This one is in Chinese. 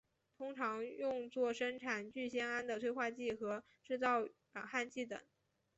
通常作生产聚酰胺的催化剂和制造软焊剂等。